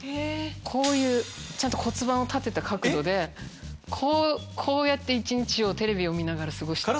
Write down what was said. こういうちゃんと骨盤を立てた角度でこうやってテレビを見ながら過ごしてる。